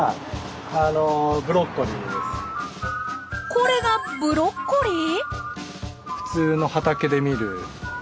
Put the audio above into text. これがブロッコリー？